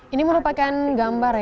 ini merupakan gambar